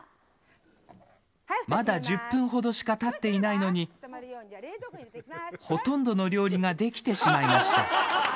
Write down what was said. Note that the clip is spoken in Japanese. まだ１０分ほどしかたっていないのに、ほとんどの料理が出来てしまいました。